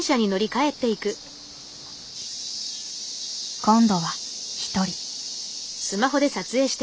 今度は１人。